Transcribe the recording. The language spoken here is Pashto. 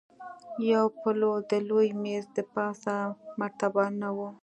يو پلو د لوی مېز دپاسه مرتبانونه وو.